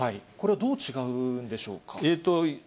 これはどう違うんでしょうか？